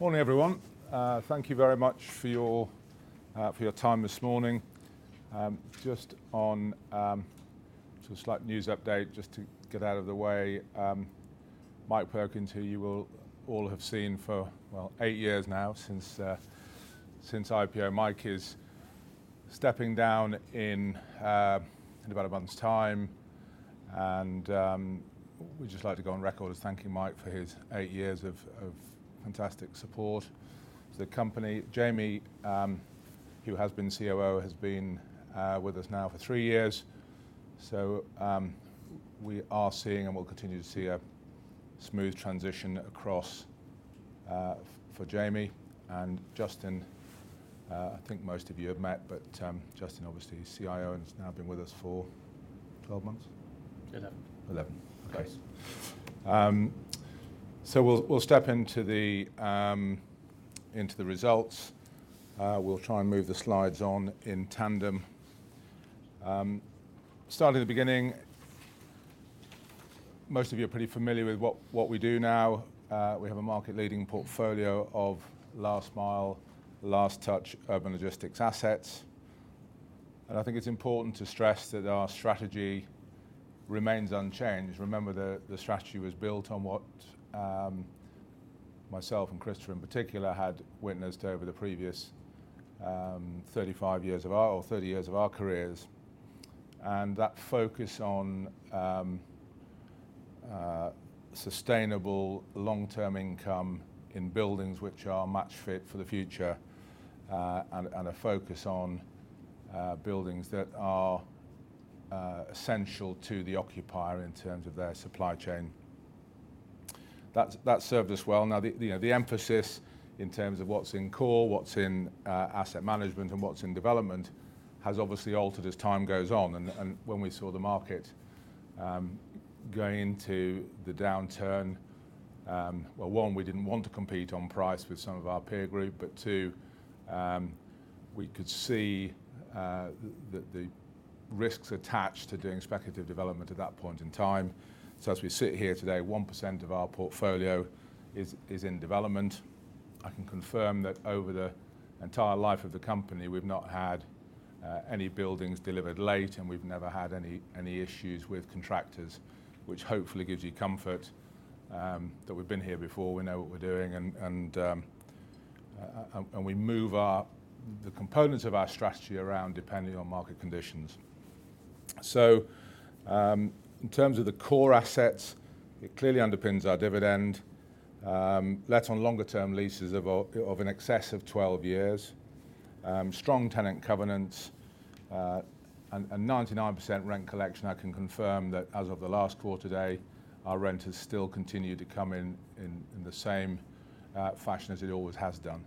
Morning, everyone. Thank you very much for your, for your time this morning. Just on, just a slight news update, just to get out of the way. Mike Perkins, who you will all have seen for, well, 8 years now, since, since IPO. Mike is stepping down in, in about a month's time, and, we'd just like to go on record as thanking Mike for his 8 years of, of fantastic support to the company. Jamie, who has been COO, has been, with us now for 3 years. So, we are seeing and will continue to see a smooth transition across, for Jamie and Justin. I think most of you have met, but, Justin, obviously, is CIO and has now been with us for 12 months? Eleven. 11, okay. So we'll step into the results. We'll try and move the slides on in tandem. Starting at the beginning, most of you are pretty familiar with what we do now. We have a market-leading portfolio of last-mile, last-touch, urban logistics assets, and I think it's important to stress that our strategy remains unchanged. Remember, the strategy was built on what myself and Christopher in particular, had witnessed over the previous 35 years or 30 years of our careers, and that focus on sustainable long-term income in buildings which are much fit for the future. And a focus on buildings that are essential to the occupier in terms of their supply chain. That served us well. Now, you know, the emphasis in terms of what's in core, what's in asset management, and what's in development, has obviously altered as time goes on, and when we saw the market going into the downturn, well, one, we didn't want to compete on price with some of our peer group, but two, we could see the risks attached to doing speculative development at that point in time. So as we sit here today, 1% of our portfolio is in development. I can confirm that over the entire life of the company, we've not had any buildings delivered late, and we've never had any issues with contractors, which hopefully gives you comfort, that we've been here before, we know what we're doing, and we move the components of our strategy around depending on market conditions. So, in terms of the core assets, it clearly underpins our dividend. Let on longer-term leases of in excess of 12 years. Strong tenant covenants, and 99% rent collection. I can confirm that as of the last quarter day, our rent has still continued to come in in the same fashion as it always has done.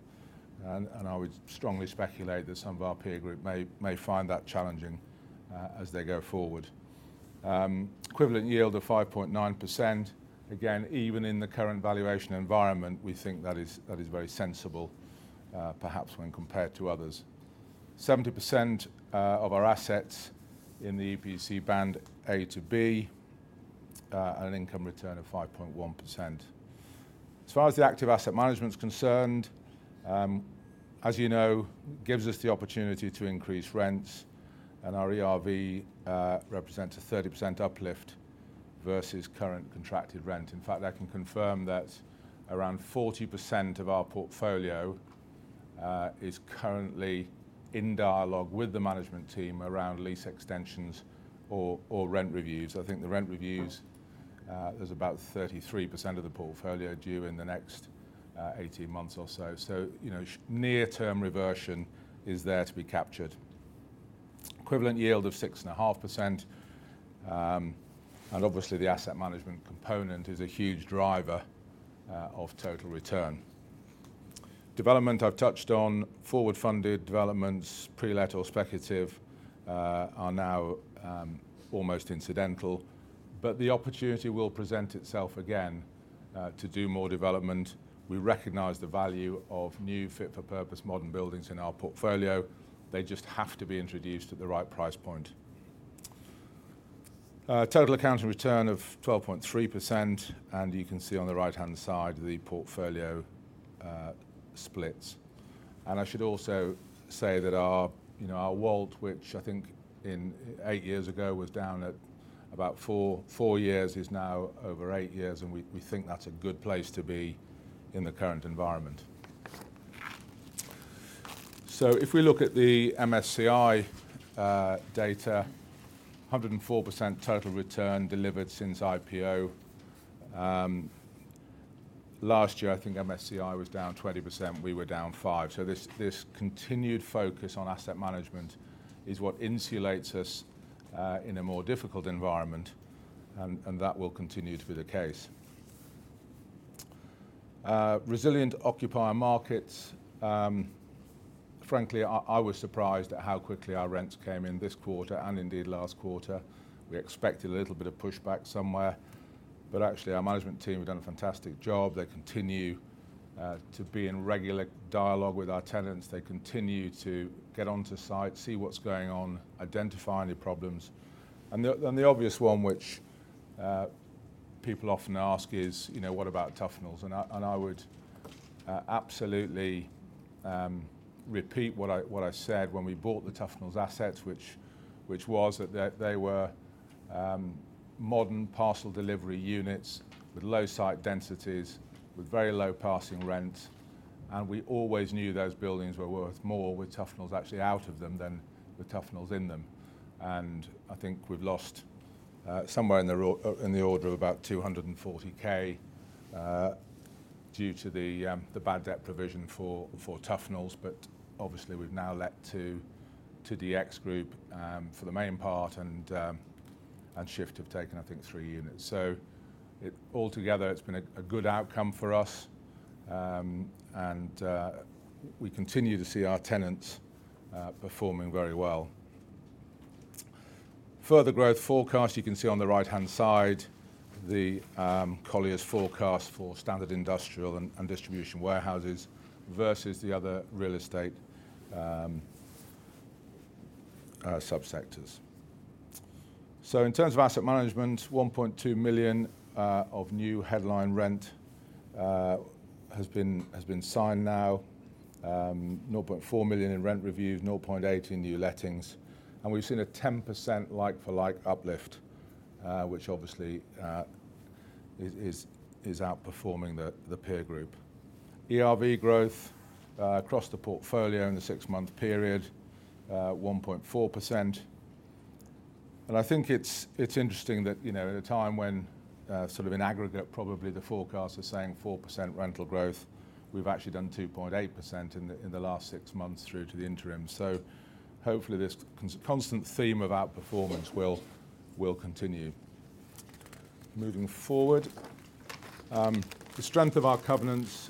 And I would strongly speculate that some of our peer group may find that challenging, as they go forward. Equivalent Yield of 5.9%. Again, even in the current valuation environment, we think that is, that is very sensible, perhaps when compared to others. 70% of our assets in the EPC Band A-B, and an income return of 5.1%. As far as the active asset management is concerned, as you know, gives us the opportunity to increase rents, and our ERV represents a 30% uplift versus current contracted rent. In fact, I can confirm that around 40% of our portfolio is currently in dialogue with the management team around lease extensions or, or rent reviews. I think the rent reviews, there's about 33% of the portfolio due in the next 18 months or so. So, you know, near-term reversion is there to be captured. Equivalent yield of 6.5%, and obviously, the asset management component is a huge driver of total return. Development, I've touched on. Forward-funded developments, pre-let or speculative, are now almost incidental, but the opportunity will present itself again to do more development. We recognize the value of new, fit-for-purpose, modern buildings in our portfolio. They just have to be introduced at the right price point. Total accounting return of 12.3%, and you can see on the right-hand side the portfolio splits. I should also say that our, you know, our WALT, which I think in 8 years ago, was down at about 4 years, is now over 8 years, and we think that's a good place to be in the current environment. So if we look at the MSCI data, 104% total return delivered since IPO. Last year, I think MSCI was down 20%, we were down 5%. So this, this continued focus on asset management is what insulates us in a more difficult environment, and that will continue to be the case. Resilient occupier markets, frankly, I was surprised at how quickly our rents came in this quarter and indeed last quarter. We expected a little bit of pushback somewhere, but actually, our management team have done a fantastic job. They continue to be in regular dialogue with our tenants. They continue to get onto site, see what's going on, identify any problems. And the, and the obvious one, which, people often ask, you know, "What about Tuffnells?" And I would absolutely repeat what I said when we bought the Tuffnells assets, which was that they were modern parcel delivery units with low site densities, with very low passing rent, and we always knew those buildings were worth more with Tuffnells actually out of them than with Tuffnells in them. And I think we've lost somewhere in the order of about 240K due to the bad debt provision for Tuffnells. But obviously, we've now let to the DX Group for the main part, and Shift have taken, I think, 3 units. So it... Altogether, it's been a good outcome for us. And we continue to see our tenants performing very well. Further growth forecast, you can see on the right-hand side, the Colliers forecast for standard industrial and distribution warehouses versus the other real estate sub-sectors. So in terms of asset management, 1.2 million of new headline rent has been signed now. 0.4 million in rent reviews, 0.8 million in new lettings, and we've seen a 10% like-for-like uplift, which obviously is outperforming the peer group. ERV growth across the portfolio in the six-month period, 1.4%. I think it's interesting that, you know, at a time when sort of in aggregate, probably the forecast is saying 4% rental growth, we've actually done 2.8% in the last six months through to the interim. So hopefully, this constant theme of outperformance will continue. Moving forward, the strength of our covenants,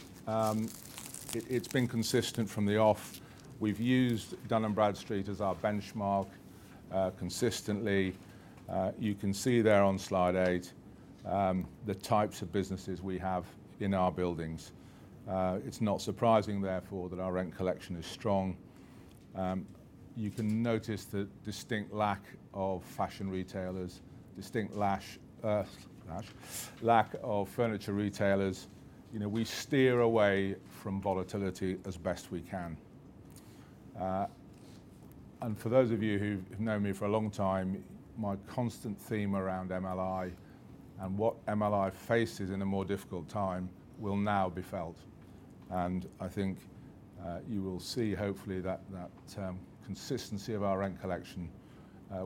it's been consistent from the off. We've used Dun & Bradstreet as our benchmark consistently. You can see there on slide 8, the types of businesses we have in our buildings. It's not surprising, therefore, that our rent collection is strong. You can notice the distinct lack of fashion retailers, distinct lack of furniture retailers. You know, we steer away from volatility as best we can. For those of you who've known me for a long time, my constant theme around MLI and what MLI faces in a more difficult time will now be felt. And I think, you will see, hopefully, that consistency of our rent collection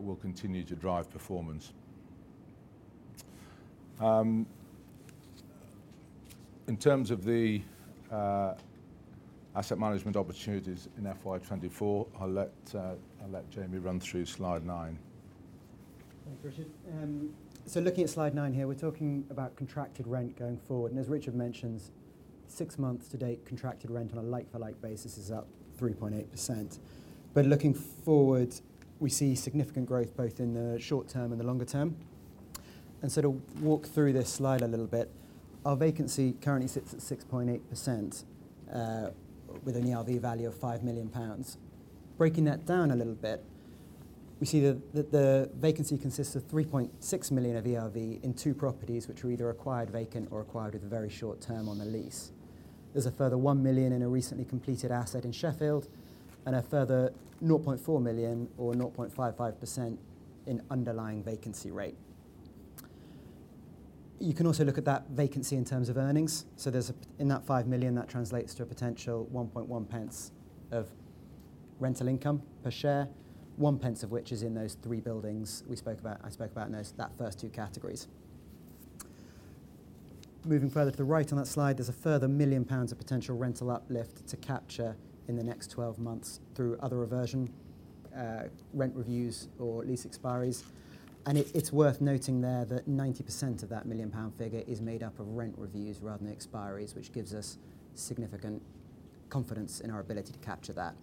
will continue to drive performance. In terms of the asset management opportunities in FY 2024, I'll let Jamie run through slide 9. Thanks, Richard. So, looking at slide 9 here, we're talking about contracted rent going forward. And as Richard mentions, six months to date, contracted rent on a like-for-like basis is up 3.8%. But looking forward, we see significant growth both in the short term and the longer term. And so to walk through this slide a little bit, our vacancy currently sits at 6.8%, with an ERV value of 5 million pounds. Breaking that down a little bit, we see that, that the vacancy consists of 3.6 million of ERV in two properties, which were either acquired vacant or acquired with a very short term on the lease. There's a further 1 million in a recently completed asset in Sheffield and a further 0.4 million or 0.55% in underlying vacancy rate. You can also look at that vacancy in terms of earnings. So there's, in that 5 million, that translates to a potential 1.1 pence of rental income per share, one pence of which is in those three buildings we spoke about, I spoke about in those, that first two categories. Moving further to the right on that slide, there's a further 1 million pounds of potential rental uplift to capture in the next 12 months through other reversion, rent reviews or lease expiries. And it, it's worth noting there that 90% of that 1 million pound figure is made up of rent reviews rather than expiries, which gives us significant confidence in our ability to capture that.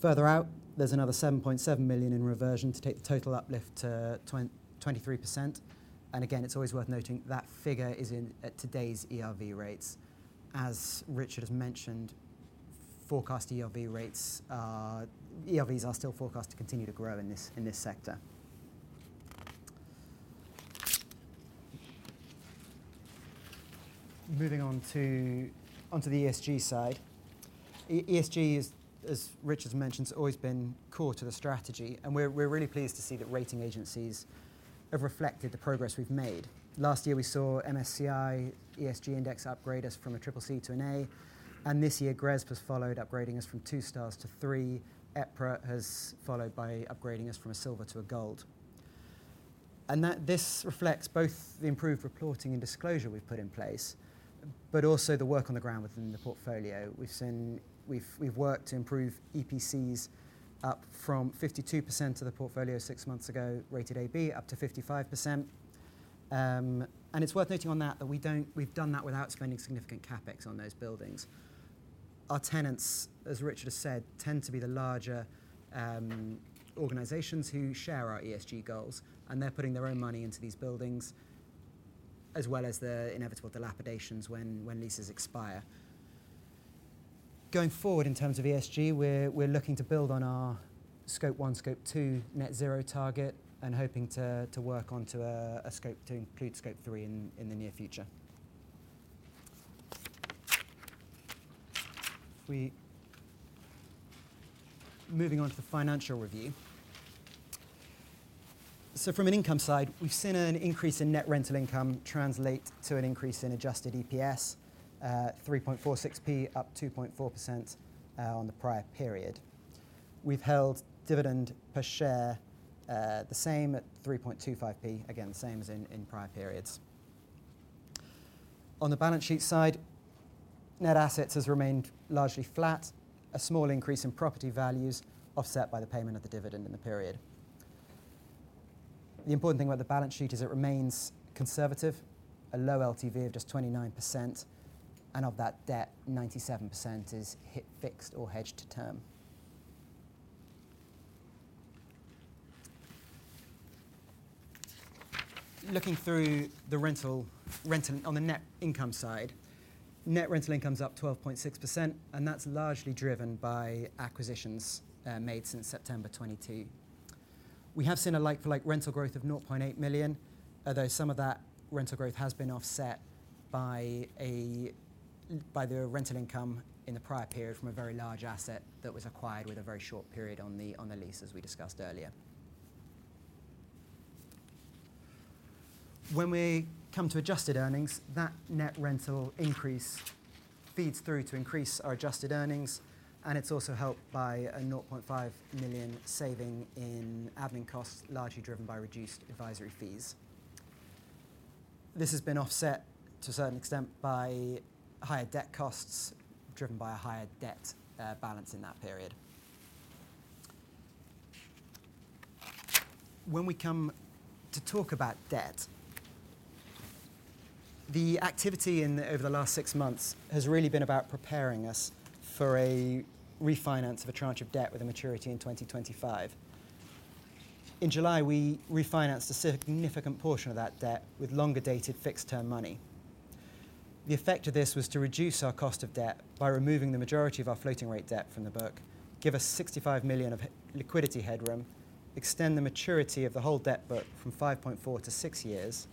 Further out, there's another 7.7 million in reversion to take the total uplift to 23%. And again, it's always worth noting that figure is in at today's ERV rates. As Richard has mentioned, forecast ERV rates are... ERVs are still forecast to continue to grow in this sector. Moving on to the ESG side. ESG is, as Richard's mentioned, has always been core to the strategy, and we're really pleased to see that rating agencies have reflected the progress we've made. Last year, we saw MSCI ESG Index upgrade us from a CCC to an A, and this year, GRESB has followed, upgrading us from 2 stars to 3. EPRA has followed by upgrading us from a silver to a gold. And that this reflects both the improved reporting and disclosure we've put in place, but also the work on the ground within the portfolio. We've worked to improve EPCs up from 52% of the portfolio six months ago, rated A-B, up to 55%. And it's worth noting on that, we've done that without spending significant CapEx on those buildings. Our tenants, as Richard has said, tend to be the larger organizations who share our ESG goals, and they're putting their own money into these buildings, as well as the inevitable dilapidations when leases expire. Going forward, in terms of ESG, we're looking to build on our Scope One, Scope Two net zero target and hoping to work onto a scope to include Scope Three in the near future. Moving on to the financial review. So from an income side, we've seen an increase in net rental income translate to an increase in adjusted EPS, 3.46p, up 2.4% on the prior period. We've held dividend per share the same at 3.25p, again, the same as in prior periods. On the balance sheet side, net assets has remained largely flat. A small increase in property values, offset by the payment of the dividend in the period. The important thing about the balance sheet is it remains conservative, a low LTV of just 29%, and of that debt, 97% is fixed or hedged to term. Looking through the rental. On the net income side, net rental income is up 12.6%, and that's largely driven by acquisitions made since September 2022. We have seen a like-for-like rental growth of 0.8 million, although some of that rental growth has been offset by the rental income in the prior period from a very large asset that was acquired with a very short period on the lease, as we discussed earlier. When we come to adjusted earnings, that net rental increase feeds through to increase our adjusted earnings, and it's also helped by a 0.5 million saving in admin costs, largely driven by reduced advisory fees. This has been offset to a certain extent by higher debt costs, driven by a higher debt balance in that period. When we come to talk about debt, the activity over the last six months has really been about preparing us for a refinance of a tranche of debt with a maturity in 2025. In July, we refinanced a significant portion of that debt with longer-dated fixed-term money. The effect of this was to reduce our cost of debt by removing the majority of our floating rate debt from the book, give us 65 million of liquidity headroom, extend the maturity of the whole debt book from 5.4-6 years,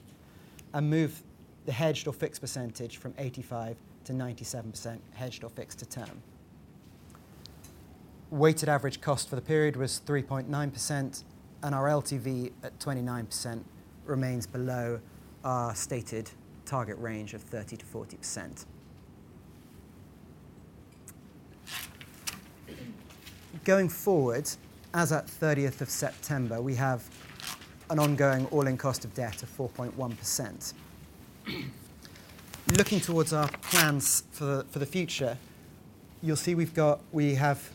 and move the hedged or fixed percentage from 85%-97% hedged or fixed to term. Weighted average cost for the period was 3.9%, and our LTV at 29% remains below our stated target range of 30%-40%. Going forward, as at 30th of September, we have an ongoing all-in cost of debt of 4.1%. Looking towards our plans for the future, you'll see we have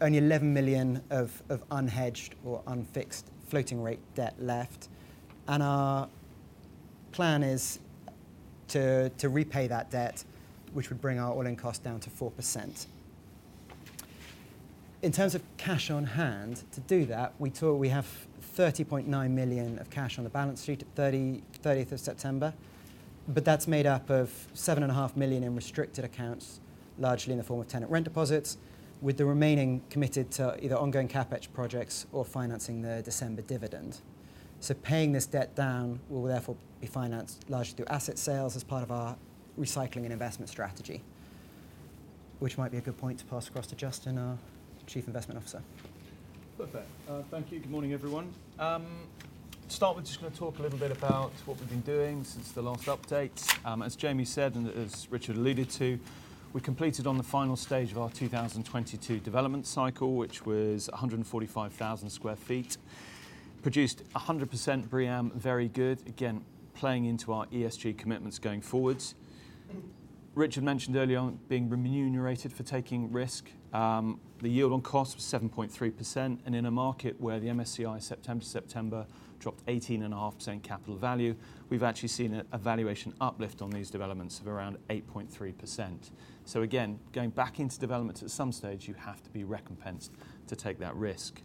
only 11 million of unhedged or unfixed floating rate debt left, and our plan is to repay that debt, which would bring our all-in cost down to 4%. In terms of cash on hand, to do that, we have 30.9 million of cash on the balance sheet at 30th of September, but that's made up of 7.5 million in restricted accounts, largely in the form of tenant rent deposits, with the remaining committed to either ongoing CapEx projects or financing the December dividend. So, paying this debt down will therefore be financed largely through asset sales as part of our recycling and investment strategy. Which might be a good point to pass across to Justin, our Chief Investment Officer. Perfect. Thank you. Good morning, everyone. To start with, just gonna talk a little bit about what we've been doing since the last update. As Jamie said, and as Richard alluded to, we completed on the final stage of our 2022 development cycle, which was 145,000 sq ft. Produced 100% BREEAM Very Good, again, playing into our ESG commitments going forwards. Richard mentioned earlier on being remunerated for taking risk. The yield on cost was 7.3%, and in a market where the MSCI, September to September, dropped 18.5% capital value, we've actually seen a valuation uplift on these developments of around 8.3%. So again, going back into developments, at some stage, you have to be recompensed to take that risk.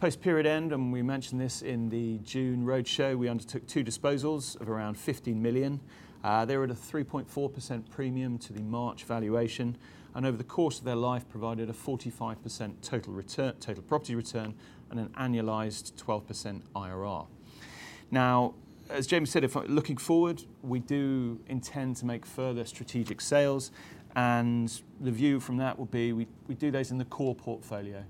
Post-period end, and we mentioned this in the June roadshow, we undertook two disposals of around 50 million. They were at a 3.4% premium to the March valuation, and over the course of their life, provided a 45% total property return and an annualized 12% IRR. Now, as Jamie said, if looking forward, we do intend to make further strategic sales, and the view from that will be we, we do those in the core portfolio.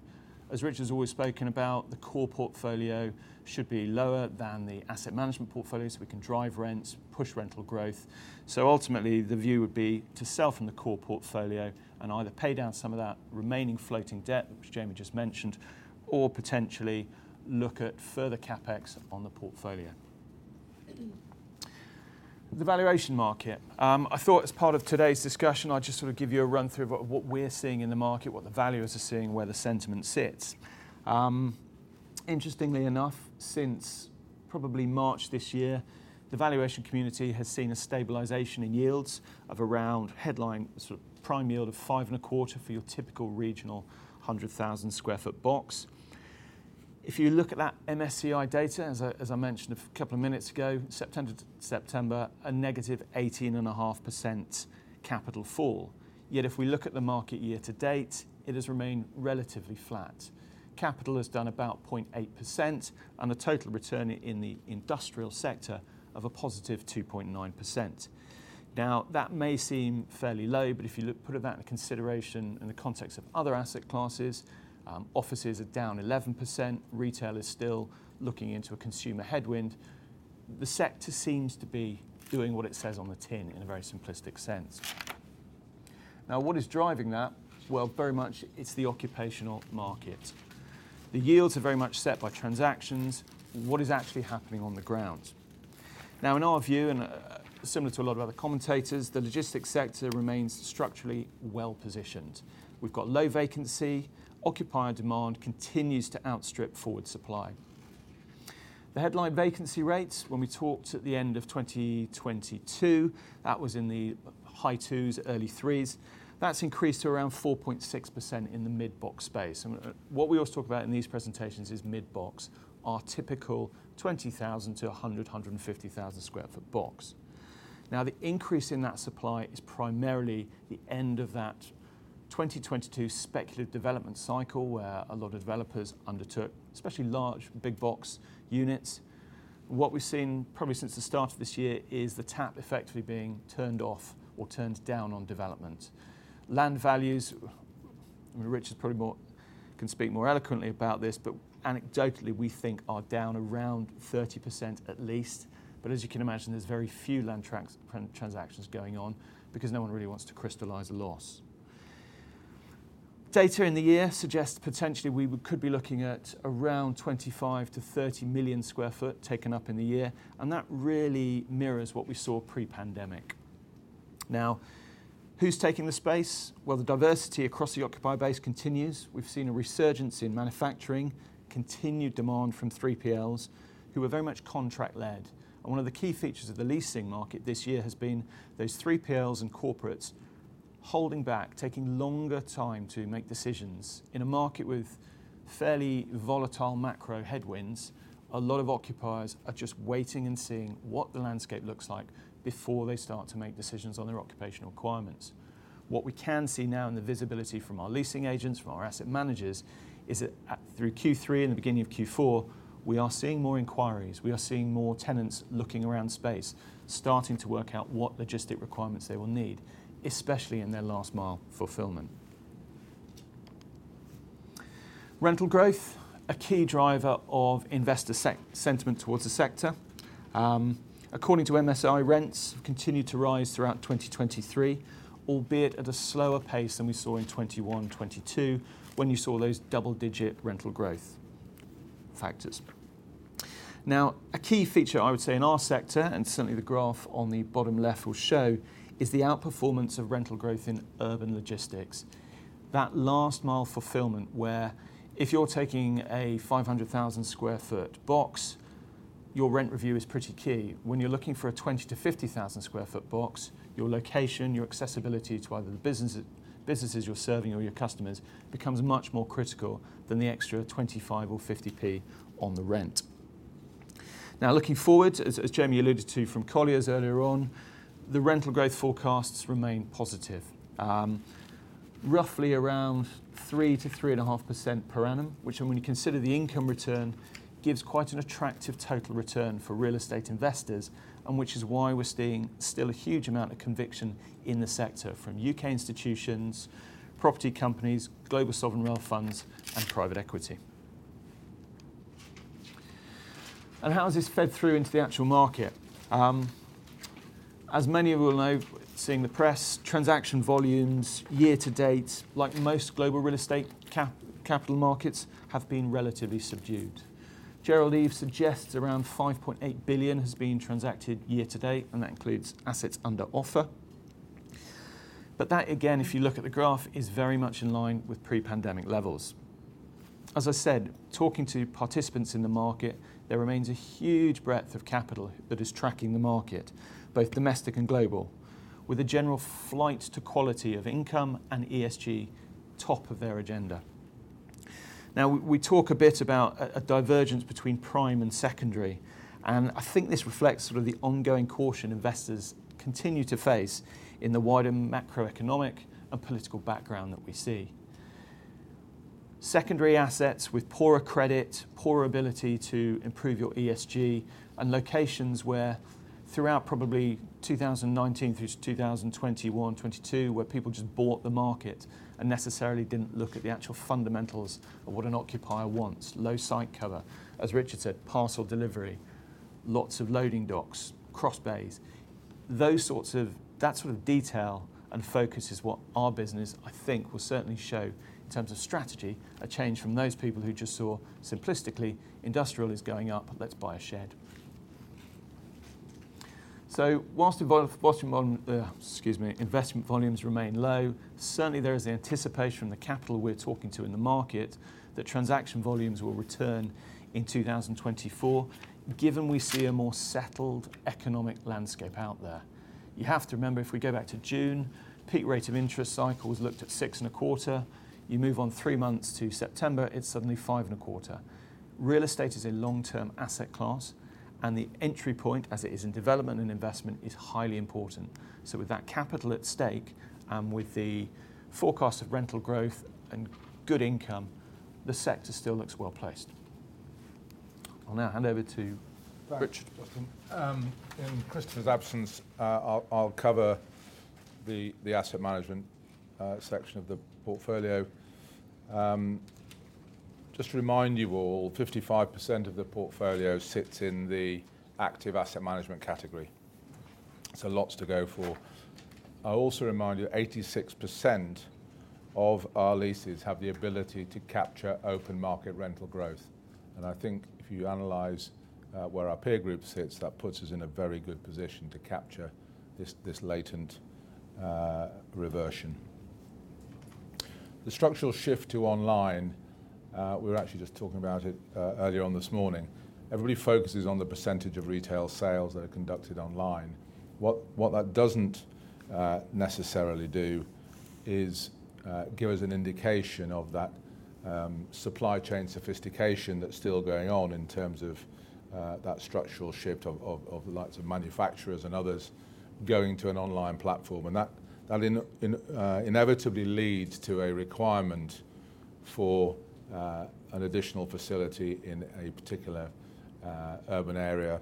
As Richard's always spoken about, the core portfolio should be lower than the asset management portfolio, so we can drive rents, push rental growth. So ultimately, the view would be to sell from the core portfolio and either pay down some of that remaining floating debt, which Jamie just mentioned, or potentially look at further CapEx on the portfolio. The valuation market. I thought as part of today's discussion, I'd just sort of give you a run through of what we're seeing in the market, what the valuers are seeing, where the sentiment sits. Interestingly enough, since probably March this year, the valuation community has seen a stabilization in yields of around headline, sort of prime yield of 5.25 for your typical regional 100,000 sq ft box. If you look at that MSCI data, as I mentioned a couple of minutes ago, September to September, a negative 18.5% capital fall. Yet, if we look at the market year to date, it has remained relatively flat. Capital has done about 0.8% and a total return in the industrial sector of a positive 2.9%. Now, that may seem fairly low, but if you look, put that into consideration in the context of other asset classes, offices are down 11%, retail is still looking into a consumer headwind. The sector seems to be doing what it says on the tin in a very simplistic sense. Now, what is driving that? Well, very much it's the occupational market. The yields are very much set by transactions and what is actually happening on the ground. Now, in our view, and similar to a lot of other commentators, the logistics sector remains structurally well-positioned. We've got low vacancy. Occupier demand continues to outstrip forward supply. The headline vacancy rates, when we talked at the end of 2022, that was in the high 2s, early 3s. That's increased to around 4.6% in the mid-box space. What we also talk about in these presentations is mid-box, our typical 20,000-150,000 sq ft box. Now, the increase in that supply is primarily the end of that 2022 speculative development cycle, where a lot of developers undertook, especially large big box units. What we've seen probably since the start of this year is the tap effectively being turned off or turned down on development. Land values, and Richard probably more can speak more eloquently about this, but anecdotally, we think are down around 30% at least. But as you can imagine, there's very few land transactions going on because no one really wants to crystallize a loss. Data in the year suggests potentially we could be looking at around 25-30 million sq ft taken up in the year, and that really mirrors what we saw pre-pandemic. Now, who's taking the space? Well, the diversity across the occupier base continues. We've seen a resurgence in manufacturing, continued demand from 3PLs, who are very much contract-led. And one of the key features of the leasing market this year has been those 3PLs and corporates holding back, taking longer time to make decisions. In a market with fairly volatile macro headwinds, a lot of occupiers are just waiting and seeing what the landscape looks like before they start to make decisions on their occupational requirements. What we can see now in the visibility from our leasing agents, from our asset managers, is that through Q3 and the beginning of Q4, we are seeing more inquiries. We are seeing more tenants looking around space, starting to work out what logistic requirements they will need, especially in their last mile fulfillment. Rental growth, a key driver of investor sentiment towards the sector. According to MSCI, rents have continued to rise throughout 2023, albeit at a slower pace than we saw in 2021, 2022, when you saw those double-digit rental growth factors. Now, a key feature I would say in our sector, and certainly the graph on the bottom left will show, is the outperformance of rental growth in urban logistics. That last mile fulfillment, where if you're taking a 500,000 sq ft box, your rent review is pretty key. When you're looking for a 20,000-50,000 sq ft box, your location, your accessibility to either the business, businesses you're serving or your customers becomes much more critical than the extra 25 or 50 P on the rent. Now, looking forward, as Jamie alluded to from Colliers earlier on, the rental growth forecasts remain positive. Roughly around 3%-3.5% per annum, which when you consider the income return, gives quite an attractive total return for real estate investors, and which is why we're seeing still a huge amount of conviction in the sector from UK institutions, property companies, global sovereign wealth funds, and private equity. How has this fed through into the actual market? As many of you will know, seeing the press, transaction volumes year to date, like most global real estate capital markets, have been relatively subdued. Gerald Eve suggests around 5.8 billion has been transacted year to date, and that includes assets under offer. But that, again, if you look at the graph, is very much in line with pre-pandemic levels. As I said, talking to participants in the market, there remains a huge breadth of capital that is tracking the market, both domestic and global, with a general flight to quality of income and ESG top of their agenda. Now, we talk a bit about a divergence between prime and secondary, and I think this reflects sort of the ongoing caution investors continue to face in the wider macroeconomic and political background that we see. Secondary assets with poorer credit, poorer ability to improve your ESG, and locations where throughout probably 2019 through to 2021, 2022, where people just bought the market and necessarily didn't look at the actual fundamentals of what an occupier wants. Low site cover, as Richard said, parcel delivery, lots of loading docks, cross bays. That sort of detail and focus is what our business, I think, will certainly show in terms of strategy, a change from those people who just saw simplistically, "Industrial is going up, let's buy a shed." So while, excuse me, investment volumes remain low, certainly there is the anticipation from the capital we're talking to in the market that transaction volumes will return in 2024, given we see a more settled economic landscape out there. You have to remember, if we go back to June, peak rate of interest cycles looked at 6.25%. You move on 3 months to September, it's suddenly 5.25%. Real estate is a long-term asset class, and the entry point, as it is in development and investment, is highly important. So with that capital at stake, with the forecast of rental growth and good income, the sector still looks well-placed. I'll now hand over to Rich. In Christopher's absence, I'll cover the asset management section of the portfolio. Just to remind you all, 55% of the portfolio sits in the active asset management category, so lots to go for. I'll also remind you, 86% of our leases have the ability to capture open market rental growth. I think if you analyze where our peer group sits, that puts us in a very good position to capture this latent reversion. The structural shift to online, we were actually just talking about it earlier on this morning. Everybody focuses on the percentage of retail sales that are conducted online. What that doesn't necessarily do is give us an indication of that supply chain sophistication that's still going on in terms of that structural shift of the likes of manufacturers and others going to an online platform. And that inevitably leads to a requirement for an additional facility in a particular urban area.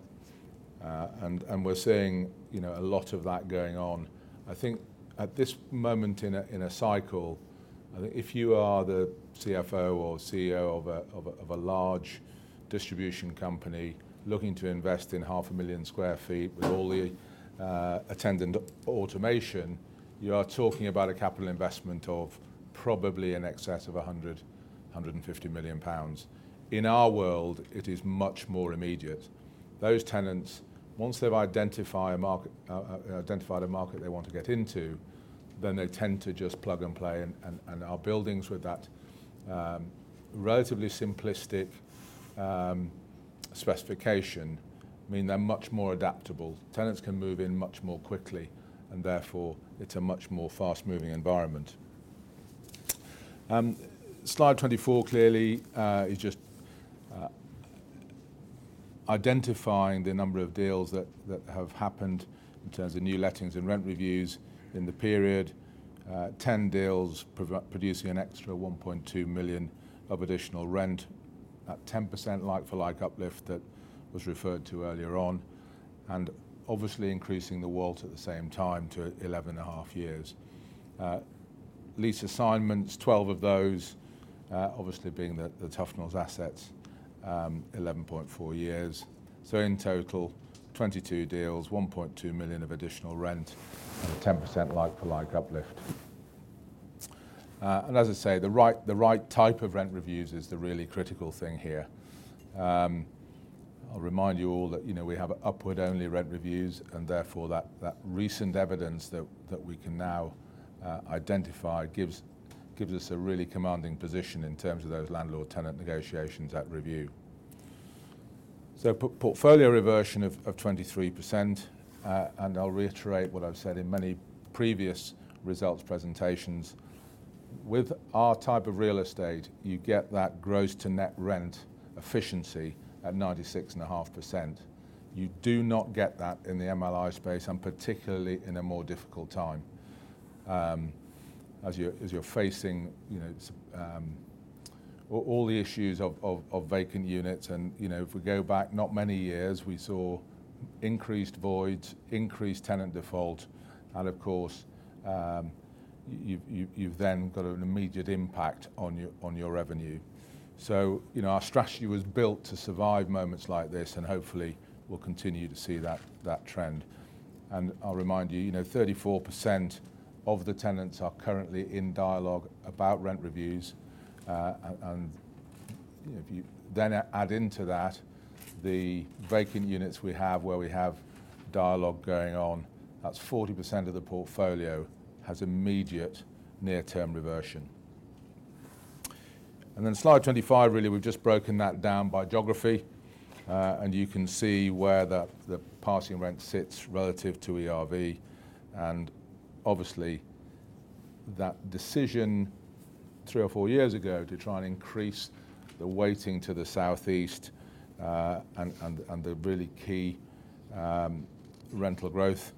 And we're seeing, you know, a lot of that going on. I think at this moment in a cycle, I think if you are the CFO or CEO of a large distribution company looking to invest in 500,000 sq ft with all the attendant automation, you are talking about a capital investment of probably in excess of 100-150 million pounds. In our world, it is much more immediate. Those tenants, once they've identified a market they want to get into, then they tend to just plug and play, and our buildings with that relatively simplistic specification mean they're much more adaptable. Tenants can move in much more quickly, and therefore, it's a much more fast-moving environment. Slide 24 clearly is just identifying the number of deals that have happened in terms of new lettings and rent reviews in the period. 10 deals producing an extra 1.2 million of additional rent, at 10% like-for-like uplift that was referred to earlier on, and obviously increasing the WALT at the same time to 11.5 years. Lease assignments, 12 of those, obviously being the Tuffnells assets, 11.4 years. So in total, 22 deals, 1.2 million of additional rent, and a 10% like-for-like uplift. And as I say, the right type of rent reviews is the really critical thing here. I'll remind you all that, you know, we have upward-only rent reviews, and therefore, that recent evidence that we can now identify gives us a really commanding position in terms of those landlord-tenant negotiations at review. So portfolio reversion of 23%, and I'll reiterate what I've said in many previous results presentations: With our type of real estate, you get that gross to net rent efficiency at 96.5%. You do not get that in the MLI space, and particularly in a more difficult time, as you're facing, you know, all the issues of vacant units. And, you know, if we go back not many years, we saw increased voids, increased tenant default, and of course, you've then got an immediate impact on your revenue. So, you know, our strategy was built to survive moments like this, and hopefully we'll continue to see that trend. And I'll remind you, you know, 34% of the tenants are currently in dialogue about rent reviews. And if you then add into that, the vacant units we have where we have dialogue going on, that's 40% of the portfolio has immediate near-term reversion. And then slide 25, really, we've just broken that down by geography, and you can see where the passing rent sits relative to ERV. And obviously, that decision three or four years ago to try and increase the weighting to the Southeast, and the really key rental growth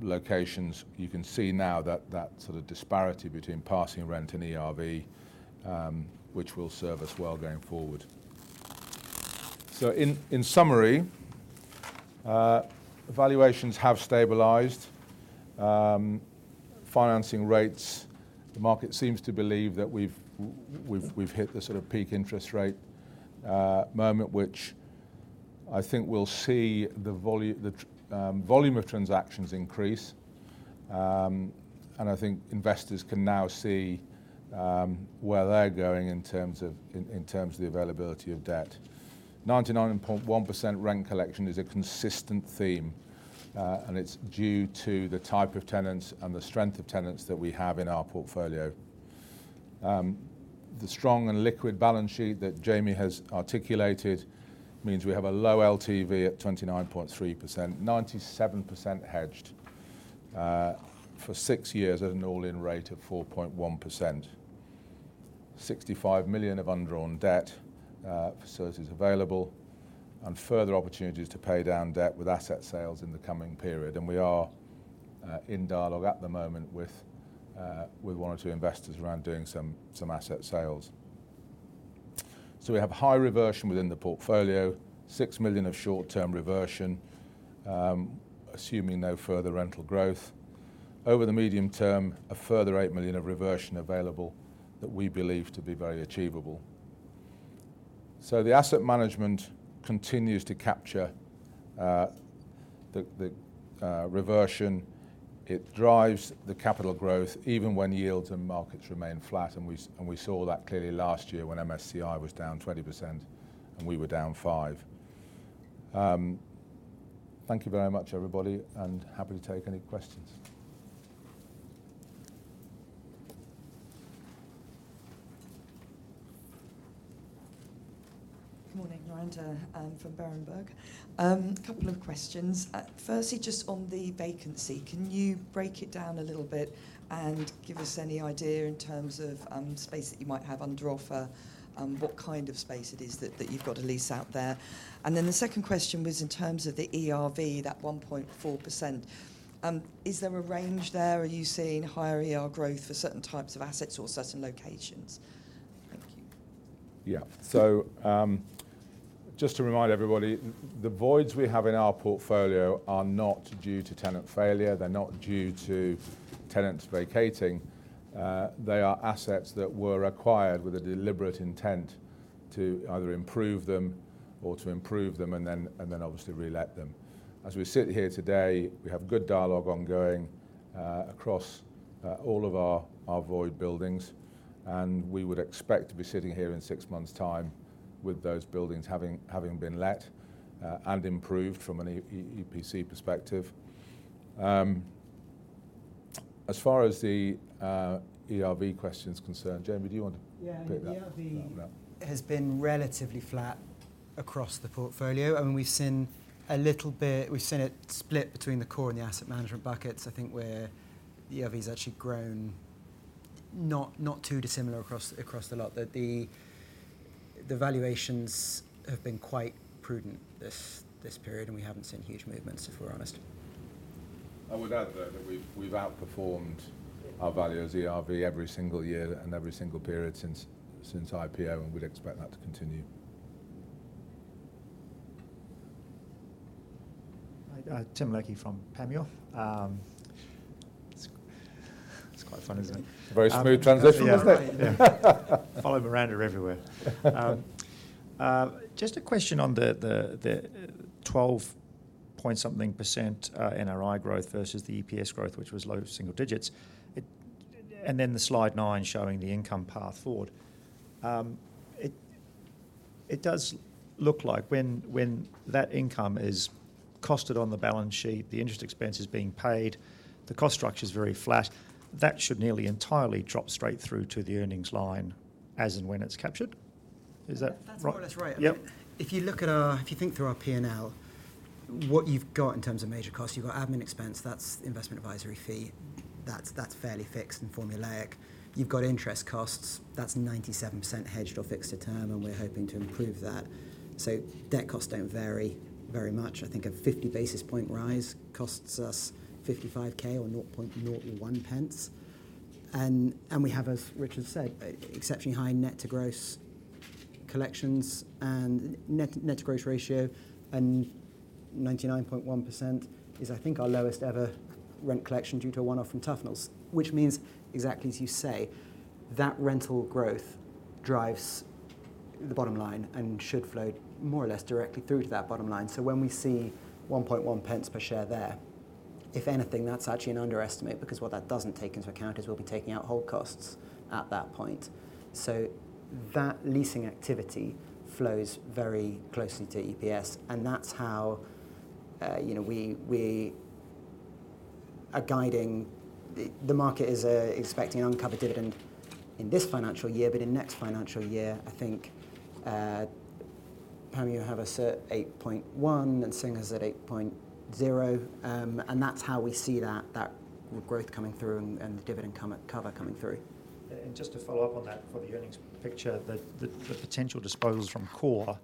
locations, you can see now that sort of disparity between passing rent and ERV, which will serve us well going forward. So in summary, valuations have stabilized. Financing rates, the market seems to believe that we've hit the sort of peak interest rate moment, which I think we'll see the volume of transactions increase. And I think investors can now see where they're going in terms of the availability of debt. 99.1% rent collection is a consistent theme, and it's due to the type of tenants and the strength of tenants that we have in our portfolio. The strong and liquid balance sheet that Jamie has articulated means we have a low LTV at 29.3%, 97% hedged, for 6 years at an all-in rate of 4.1%. 65 million of undrawn debt facilities available, and further opportunities to pay down debt with asset sales in the coming period. We are in dialogue at the moment with 1 or 2 investors around doing some asset sales. So we have high reversion within the portfolio, 6 million of short-term reversion, assuming no further rental growth. Over the medium term, a further 8 million of reversion available that we believe to be very achievable. So the asset management continues to capture the reversion. It drives the capital growth even when yields and markets remain flat, and we and we saw that clearly last year when MSCI was down 20%, and we were down 5%. Thank you very much, everybody, and happy to take any questions. Good morning, Miranda, I'm from Berenberg. Couple of questions. Firstly, just on the vacancy, can you break it down a little bit and give us any idea in terms of space that you might have under offer, and what kind of space it is that, that you've got to lease out there? And then the second question was in terms of the ERV, that 1.4%, is there a range there? Are you seeing higher ER growth for certain types of assets or certain locations? Thank you. Yeah. So, just to remind everybody, the voids we have in our portfolio are not due to tenant failure, they're not due to tenants vacating. They are assets that were acquired with a deliberate intent to either improve them or to improve them and then obviously re-let them. As we sit here today, we have good dialogue ongoing across all of our void buildings, and we would expect to be sitting here in six months' time with those buildings having been let and improved from an EPC perspective. As far as the ERV question is concerned, Jamie, do you want to pick that up? Yeah, ERV has been relatively flat across the portfolio. I mean, we've seen a little bit... We've seen it split between the core and the asset management buckets, I think where the ERV has actually grown, not, not too dissimilar across, across the lot, that the, the valuations have been quite prudent this, this period, and we haven't seen huge movements, if we're honest. I would add that we've outperformed our values, ERV, every single year and every single period since IPO, and we'd expect that to continue. Hi, Tim Leckie from Panmure. It's quite fun, isn't it? Very smooth transition, wasn't it? Yeah, right. Yeah. Follow Miranda everywhere. Just a question on the, the, the 12-something% NRI growth versus the EPS growth, which was low single digits. And then the slide 9 showing the income path forward. It does look like when, when that income is costed on the balance sheet, the interest expense is being paid, the cost structure is very flat. That should nearly entirely drop straight through to the earnings line as and when it's captured. Is that right? That's more or less right. Yep. If you look at our... If you think through our PNL, what you've got in terms of major costs, you've got admin expense, that's investment advisory fee. That's fairly fixed and formulaic. You've got interest costs, that's 97% hedged or fixed to term, and we're hoping to improve that. So debt costs don't vary very much. I think a 50 basis point rise costs us 55,000 or 0.01 pence. And we have, as Richard said, exceptionally high net to gross collections and net to gross ratio, and 99.1% is, I think, our lowest ever rent collection due to a one-off from Tuffnells. Which means, exactly as you say, that rental growth drives the bottom line and should flow more or less directly through to that bottom line. So when we see 0.011 per share there, if anything, that's actually an underestimate, because what that doesn't take into account is we'll be taking out hold costs at that point. So that leasing activity flows very closely to EPS, and that's how, you know, we are guiding. The market is expecting uncovered dividend in this financial year, but in next financial year, I think Panmure have a cert 0.081, and Singer's at 0.080. And that's how we see that growth coming through and the dividend cover coming through. Yeah, and just to follow up on that, for the earnings picture, the potential disposals from core-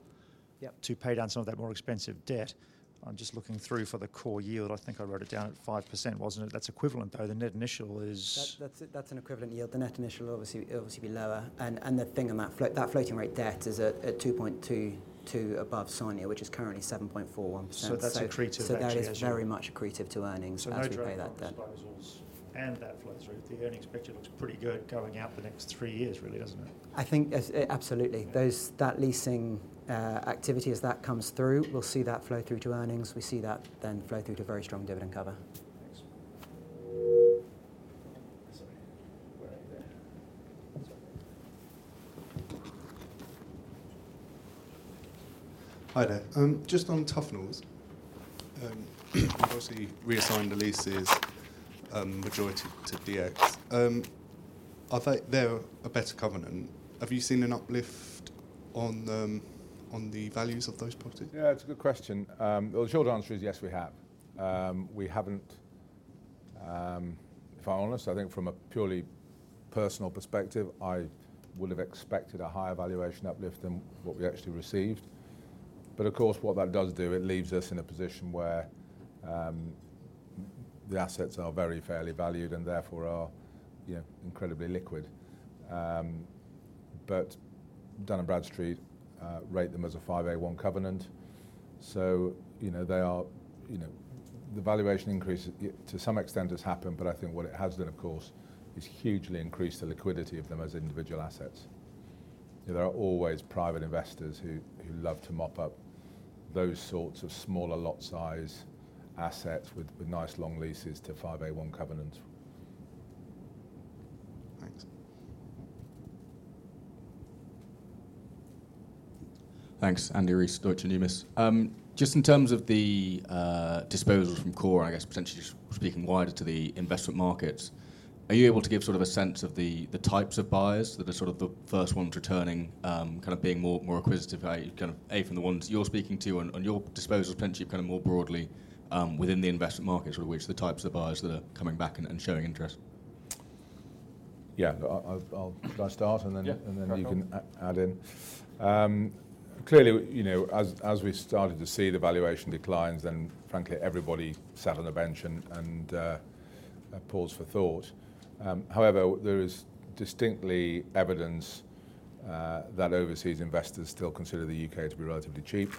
Yep... to pay down some of that more expensive debt, I'm just looking through for the core yield. I think I wrote it down at 5%, wasn't it? That's equivalent, though. The net initial is- That's an equivalent yield. The net initial obviously be lower, and the thing about floating rate debt is at 2.22 above SONIA, which is currently 7.41%. So that's accretive actually- That is very much accretive to earnings as we pay that debt. As disposals and that flows through, the earnings picture looks pretty good going out the next three years, really, doesn't it? I think, absolutely. Yeah. That leasing activity, as that comes through, we'll see that flow through to earnings. We see that then flow through to very strong dividend cover. Thanks. Sorry. Where are you there? Sorry. Hi there. Just on Tuffnells, you've obviously reassigned the leases, majority to DX. I think they're a better covenant. Have you seen an uplift on the values of those properties? Yeah, it's a good question. Well, the short answer is yes, we have. We haven't... If I'm honest, I think from a purely personal perspective, I would have expected a higher valuation uplift than what we actually received. But of course, what that does do, it leaves us in a position where the assets are very fairly valued and therefore are, you know, incredibly liquid. But Dun & Bradstreet rate them as a 5A1 covenant, so, you know, they are, you know, the valuation increase to some extent has happened, but I think what it has done, of course, is hugely increased the liquidity of them as individual assets. There are always private investors who love to mop up those sorts of smaller lot size assets with nice long leases to 5A1 covenant. Thanks. Thanks. Andy Rees, Deutsche Numis. Just in terms of the, disposals from core, and I guess potentially just speaking wider to the investment markets, are you able to give sort of a sense of the, the types of buyers that are sort of the first ones returning, kind of being more, more acquisitive? Kind of, A, from the ones you're speaking to on, on your disposals, potentially, kind of more broadly, within the investment markets, sort of which the types of buyers that are coming back and, and showing interest? Yeah. I'll... Shall I start, and then- Yeah. Clearly, you know, as we started to see the valuation declines, then frankly, everybody sat on the bench and paused for thought. However, there is distinct evidence that overseas investors still consider the UK to be relatively cheap.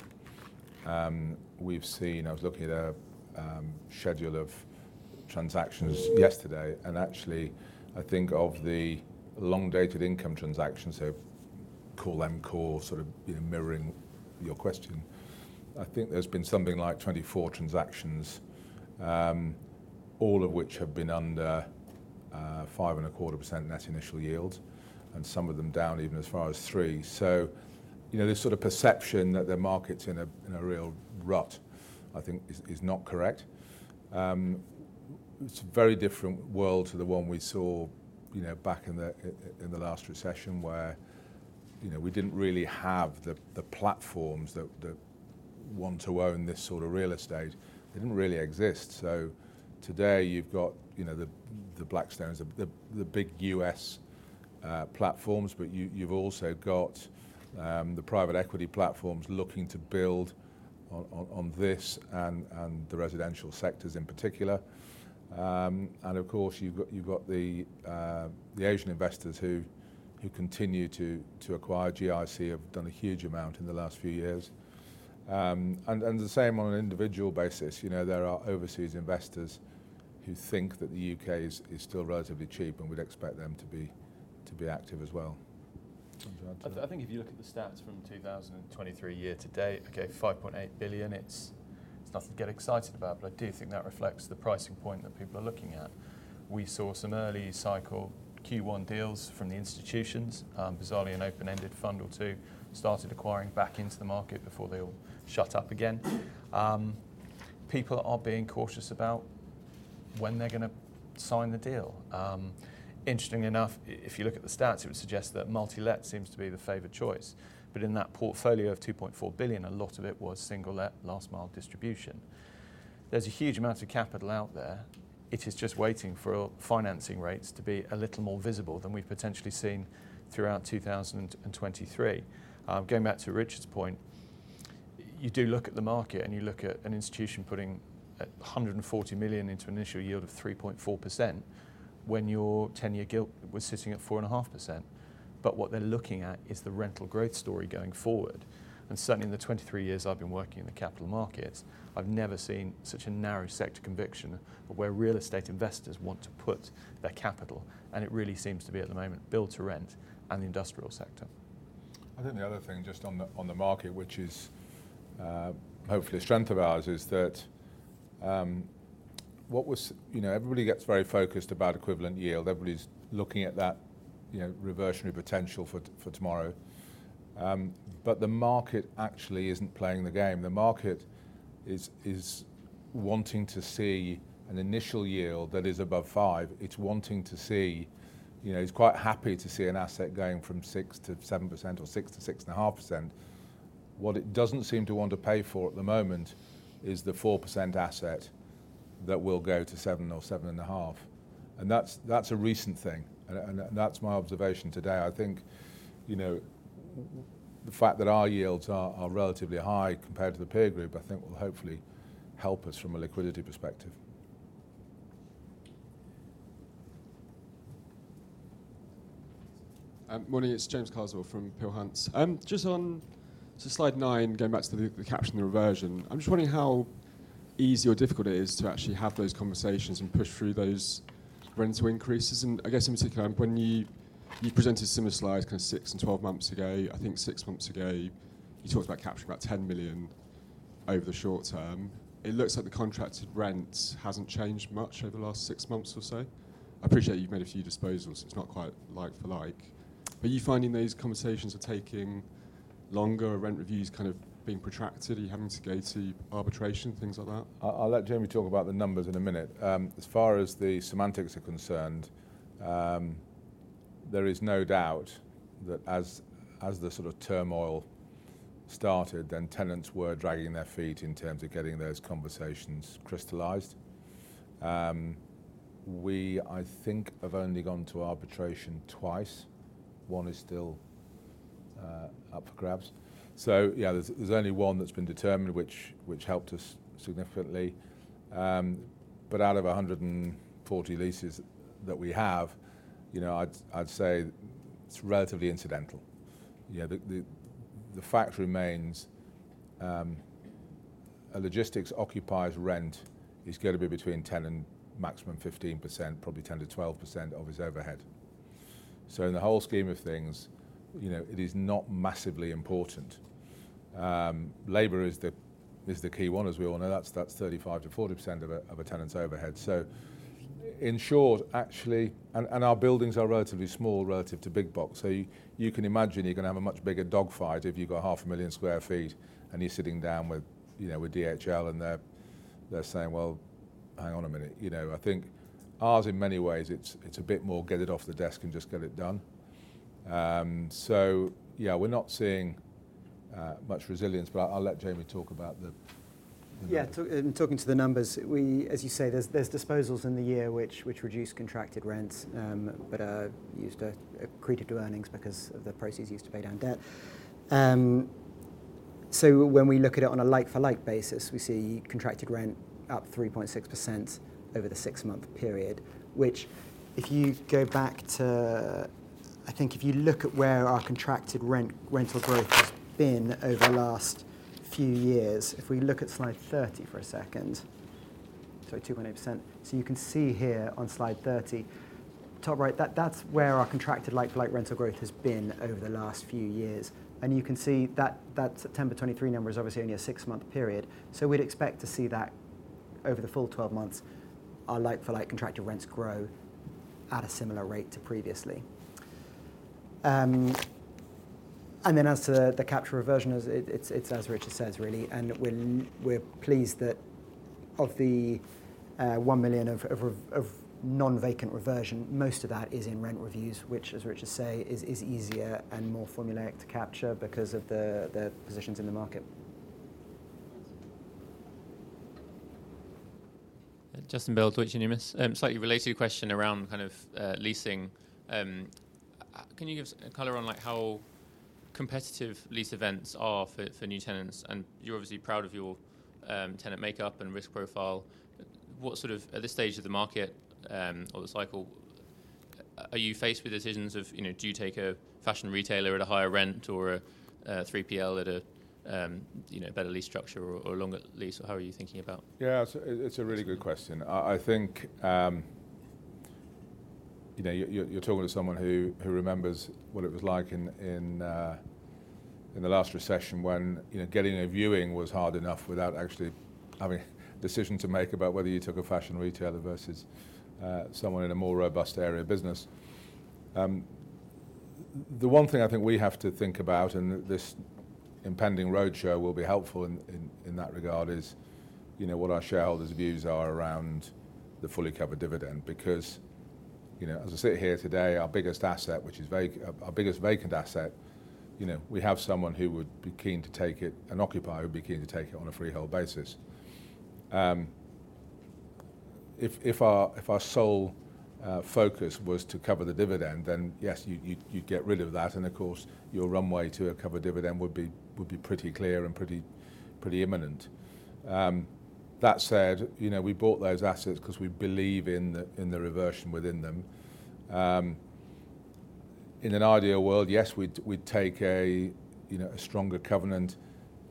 We've seen... I was looking at a schedule of transactions yesterday, and actually, I think of the long-dated income transactions, so call them core, sort of, you know, mirroring your question. I think there's been something like 24 transactions, all of which have been under 5.25% net initial yield, and some of them down even as far as 3%. So, you know, this sort of perception that the market's in a real rut, I think is not correct. It's a very different world to the one we saw, you know, back in the, in the last recession, where, you know, we didn't really have the, the platforms that, that want to own this sort of real estate. They didn't really exist. So today, you've got, you know, the, the Blackstones, the, the big U.S., platforms, but you, you've also got, the private equity platforms looking to build on, on, on this and, and the residential sectors in particular. And of course, you've got, you've got the, the Asian investors who, who continue to, to acquire. GIC have done a huge amount in the last few years. And, and the same on an individual basis. You know, there are overseas investors who think that the U.K. is, is still relatively cheap and would expect them to be, to be active as well. Do you want to add to that? I think if you look at the stats from 2023 year to date, okay, 5.8 billion, it's nothing to get excited about, but I do think that reflects the pricing point that people are looking at. We saw some early cycle Q1 deals from the institutions. Bizarrely, an open-ended fund or two started acquiring back into the market before they all shut up again. People are being cautious about when they're gonna sign the deal. Interestingly enough, if you look at the stats, it would suggest that multi-let seems to be the favored choice, but in that portfolio of 2.4 billion, a lot of it was single-let last mile distribution. There's a huge amount of capital out there. It is just waiting for financing rates to be a little more visible than we've potentially seen throughout 2023. Going back to Richard's point, you do look at the market, and you look at an institution putting 140 million into an initial yield of 3.4% when your 10-year gilt was sitting at 4.5%. But what they're looking at is the rental growth story going forward. And certainly, in the 23 years I've been working in the capital markets, I've never seen such a narrow sector conviction where real estate investors want to put their capital, and it really seems to be, at the moment, build to rent and the industrial sector. I think the other thing, just on the, on the market, which is, hopefully a strength of ours, is that, You know, everybody gets very focused about equivalent yield. Everybody's looking at that, you know, reversionary potential for, for tomorrow. But the market actually isn't playing the game. The market is wanting to see an initial yield that is above 5. It's wanting to see, you know, it's quite happy to see an asset going from 6%-7% or 6%-6.5%. What it doesn't seem to want to pay for at the moment is the 4% asset that will go to 7% or 7.5%. And that's a recent thing. And that's my observation today. I think, you know, the fact that our yields are relatively high compared to the peer group, I think will hopefully help us from a liquidity perspective. Morning, it's James Carswell from Peel Hunt. Just on to slide nine, going back to the, the capturing the reversion, I'm just wondering how easy or difficult it is to actually have those conversations and push through those rental increases. And I guess in particular, when you, you presented a similar slide kind of six and 12 months ago. I think six months ago, you talked about capturing about 10 million over the short term. It looks like the contracted rent hasn't changed much over the last six months or so. I appreciate you've made a few disposals, it's not quite like for like. Are you finding these conversations are taking longer, or rent reviews kind of being protracted? Are you having to go to arbitration, things like that? I'll let Jamie talk about the numbers in a minute. As far as the semantics are concerned, there is no doubt that as the sort of turmoil started, then tenants were dragging their feet in terms of getting those conversations crystallized. We, I think, have only gone to arbitration twice. One is still up for grabs. So yeah, there's only one that's been determined, which helped us significantly. But out of 140 leases that we have, you know, I'd say it's relatively incidental. You know, the fact remains, a logistics occupier's rent is gonna be between 10% and maximum 15%, probably 10%-12% of his overhead. So in the whole scheme of things, you know, it is not massively important. Labor is the key one, as we all know. That's 35%-40% of a tenant's overhead. So in short, our buildings are relatively small relative to big box. So you can imagine you're gonna have a much bigger dogfight if you've got 500,000 sq ft and you're sitting down with, you know, with DHL, and they're saying, "Well, hang on a minute," you know? I think ours, in many ways, it's a bit more get it off the desk and just get it done. So yeah, we're not seeing much resilience, but I'll let Jamie talk about the- Yeah, talking to the numbers, we... As you say, there's disposals in the year which reduce contracted rents, but are used, accreted to earnings because of the proceeds used to pay down debt. So when we look at it on a like-for-like basis, we see contracted rent up 3.6% over the six-month period, which if you go back to, I think if you look at where our contracted rent, rental growth has been over the last few years, if we look at slide 30 for a second... Sorry, 2.8%. So you can see here on slide 30, top right, that that's where our contracted like-for-like rental growth has been over the last few years. You can see that September 2023 number is obviously only a six-month period, so we'd expect to see that over the full 12 months, our like-for-like contracted rents grow at a similar rate to previously. And then as to the capture reversion, as it's, as Richard says, really, and we're pleased that of the 1 million of non-vacant reversion, most of that is in rent reviews, which, as Richard says, is easier and more formulaic to capture because of the positions in the market. Justin Bell, Deutsche Numis. Slightly related to a question around kind of leasing. Can you give us color on, like, how competitive lease events are for, for new tenants? And you're obviously proud of your tenant makeup and risk profile. What sort of, at this stage of the market or the cycle, are you faced with decisions of, you know, do you take a fashion retailer at a higher rent or a 3PL at a you know, better lease structure or a longer lease? How are you thinking about- Yeah, it's a really good question. I think, you know, you're talking to someone who remembers what it was like in the last recession when, you know, getting a viewing was hard enough without actually having a decision to make about whether you took a fashion retailer versus someone in a more robust area of business. The one thing I think we have to think about, and this impending roadshow will be helpful in that regard, is, you know, what our shareholders' views are around the fully covered dividend. Because, you know, as I sit here today, our biggest asset, which is vacant, our biggest vacant asset, you know, we have someone who would be keen to take it, an occupier who would be keen to take it on a freehold basis. If our sole focus was to cover the dividend, then yes, you'd get rid of that, and of course, your runway to a covered dividend would be pretty clear and pretty imminent. That said, you know, we bought those assets because we believe in the reversion within them. In an ideal world, yes, we'd take a stronger covenant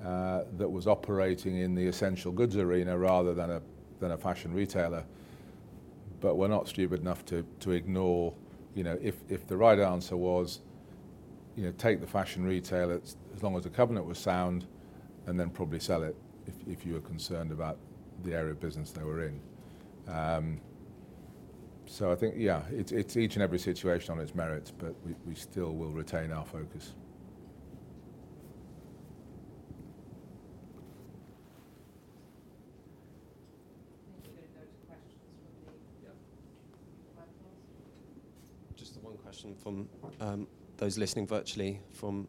that was operating in the essential goods arena rather than a fashion retailer. But we're not stupid enough to ignore, you know. If the right answer was, you know, take the fashion retailer as long as the covenant was sound, and then probably sell it if you were concerned about the area of business they were in. So, I think, yeah, it's each and every situation on its merits, but we still will retain our focus. Thank you for those questions from the platform. Just the one question from those listening virtually, from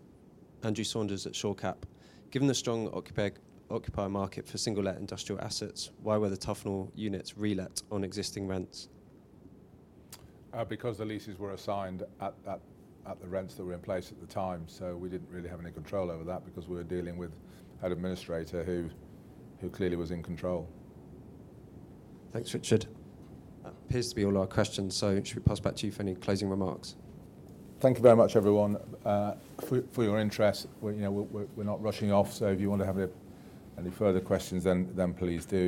Andrew Saunders at Shore Cap. Given the strong occupier market for single-let industrial assets, why were the Tuffnells units relet on existing rents? Because the leases were assigned at the rents that were in place at the time, so we didn't really have any control over that, because we were dealing with an administrator who clearly was in control. Thanks, Richard. That appears to be all our questions, so should we pass back to you for any closing remarks? Thank you very much, everyone, for your interest. Well, you know, we're not rushing off, so if you want to have any further questions, then please do.